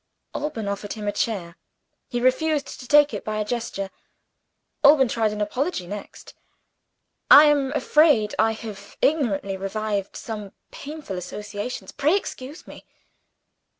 Alban offered him a chair. He refused to take it by a gesture. Alban tried an apology next. "I am afraid I have ignorantly revived some painful associations. Pray excuse me."